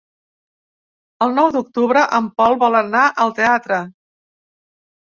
El nou d'octubre en Pol vol anar al teatre.